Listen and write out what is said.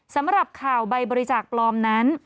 สำหรับข่าวใบบริจาคปลอมนั้น